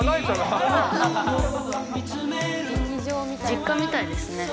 実家みたいですね。